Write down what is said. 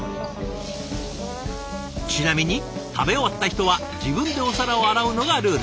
ちなみに食べ終わった人は自分でお皿を洗うのがルール。